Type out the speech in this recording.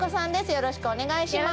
よろしくお願いします